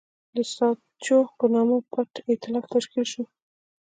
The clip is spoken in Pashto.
د ساتچو په نامه پټ اېتلاف تشکیل شو.